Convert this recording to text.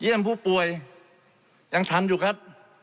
เยี่ยมผู้ป่วยยังทำอยู่ครับ